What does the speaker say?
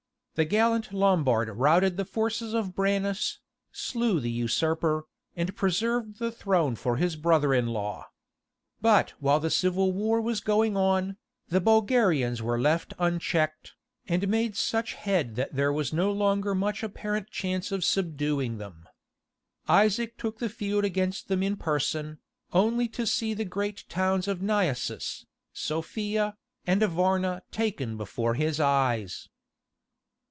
The gallant Lombard routed the forces of Branas, slew the usurper, and preserved the throne for his brother in law. But while the civil war was going on, the Bulgarians were left unchecked, and made such head that there was no longer much apparent chance of subduing them. Isaac took the field against them in person, only to see the great towns of Naissus, Sophia, and Varna taken before his eyes.